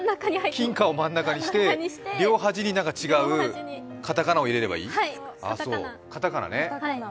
金貨を真ん中にして両端に違う片仮名を入れればいい？